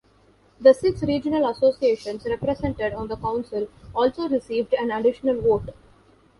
The six regional associations represented on the Council also received an additional vote.